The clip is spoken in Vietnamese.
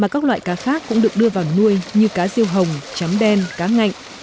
cá khác cũng được đưa vào nuôi như cá riêu hồng chấm đen cá ngạnh